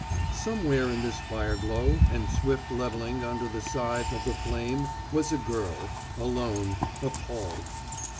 Somewhere in this fire glow and swift leveling under the scythe of the flame was a girl, alone, appalled.